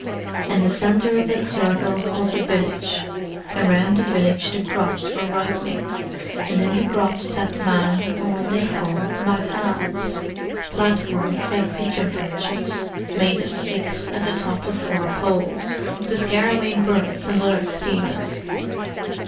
And the centre of that circle was the village, and round the village the crops were ripening, and in the crops sat men on what they call machans platforms like pigeon perches, made of sticks at the top of four poles to scare away birds and other stealers.